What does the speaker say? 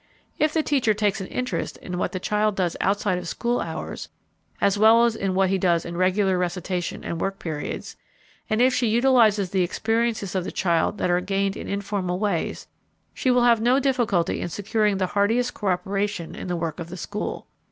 If the teacher takes an interest in what the child does outside of school hours as well as in what he does in regular recitation and work periods, and if she utilizes the experiences of the child that are gained in informal ways, she will have no difficulty in securing the heartiest coöperation in the work of the school.